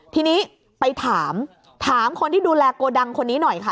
ทีนี้ไปถามถามคนที่ดูแลโกดังคนนี้หน่อยค่ะ